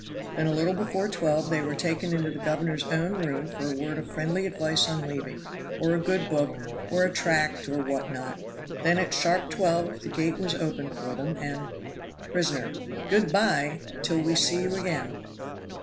Then a little before twelve they were taken into the governor's own room for a word of friendly advice on leaving, or a good book, or a tract, or what not. Then at sharp twelve the gate was opened for them, and " Prisoner. "Good by! till we see you again."